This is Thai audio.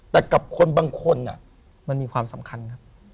แต่กับคนบางคนมันมีความสำคัญครับ